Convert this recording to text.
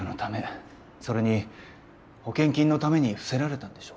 それに保険金のために伏せられたんでしょうね。